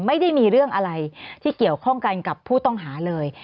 ไม่ได้มีเรื่องอะไรที่เกี่ยวข้องกันกับผู้ต้องหาเลย